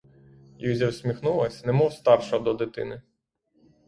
Юзя всміхнулась, немов старша до дитини.